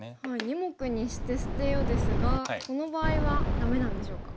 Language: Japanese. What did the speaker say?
「二目にして捨てよ」ですがこの場合はダメなんでしょうか。